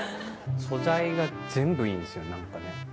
素材が全部いいんですよなんかね。